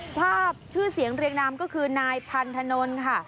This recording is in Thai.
ทราบชื่อเสียงเรียงนามก็คือนายพันธนนท์ค่ะ